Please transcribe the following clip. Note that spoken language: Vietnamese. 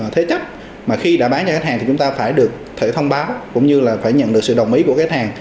thế chấp mà khi đã bán cho khách hàng thì chúng ta phải được thẻ thông báo cũng như là phải nhận được sự đồng ý của khách hàng